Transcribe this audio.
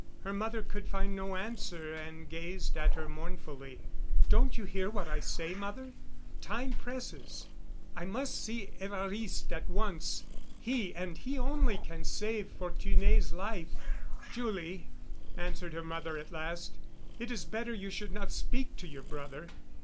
Her mother could find no answer and gazed at her mournfully. "Don't you hear what I say, mother? Time presses, I must see Évariste at once; he, and he only, can save Fortuné's life." "Julie," answered her mother at last, "it is better you should not speak to your brother."